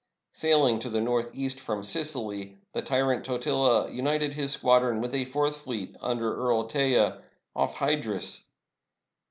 Sailing to the northeast from Sicily, the tyrant Totila united his squadron with a fourth fleet, under Earl Teja, off Hydrus.